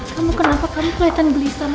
kamu kenapa kamu kelihatan gelisah mas kamu